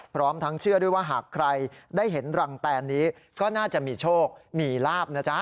พร้อมทั้งเชื่อด้วยว่าหากใครได้เห็นรังแตนนี้ก็น่าจะมีโชคมีลาบนะจ๊ะ